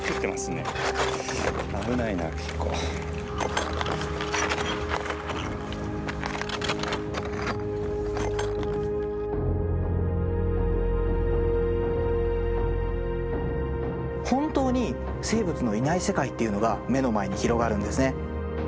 本当に生物のいない世界っていうのが目の前に広がるんですね。